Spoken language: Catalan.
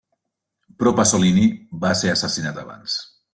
Però Pasolini va ser assassinat abans.